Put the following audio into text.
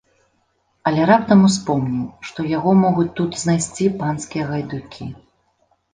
Але раптам успомніў, што яго могуць тут знайсці панскія гайдукі.